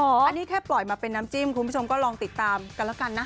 อันนี้แค่ปล่อยมาเป็นน้ำจิ้มคุณผู้ชมก็ลองติดตามกันแล้วกันนะ